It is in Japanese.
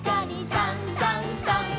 「さんさんさん」